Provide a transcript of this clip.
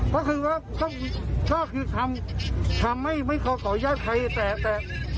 ก็คือทำให้ไม่เขาก่อย่าใครแต่